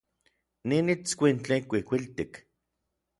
Nin itskuintli kuikuiltik.